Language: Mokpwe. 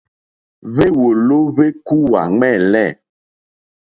Hwéwòló hwékúwà ɱwɛ̂lɛ̂.